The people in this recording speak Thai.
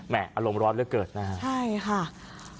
แหมอารมณ์ร้อนและเกิดนะครับ